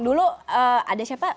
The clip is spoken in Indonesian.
dulu ada siapa nonton